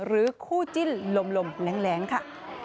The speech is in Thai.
หรือคู่จิ้นลมแหลงค่ะ